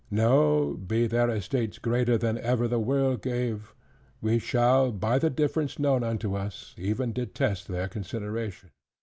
No, be their estates greater than ever the world gave, we shall (by the difference known unto us) even detest their consideration.